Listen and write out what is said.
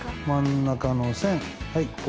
真ん中の線はい